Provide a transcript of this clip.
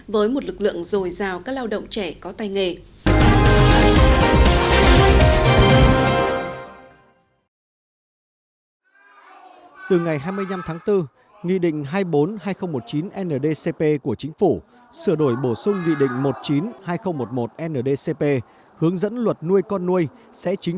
với một lực lượng dồi dào các lao động trẻ có tay nghề